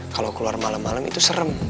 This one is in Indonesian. kalau keluar malem malem itu serem